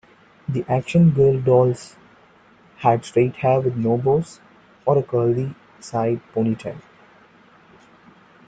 The Action Girl dolls had straight hair with no bows, or a curly, side-ponytail.